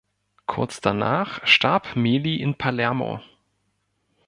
Kurz danach starb Meli in Palermo.